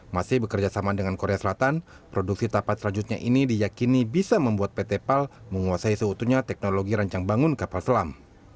masih bekerjasama dengan korea selatan produksi tapat selanjutnya ini diyakini bisa membuat pt pal menguasai seutuhnya teknologi rancang bangun kapal selam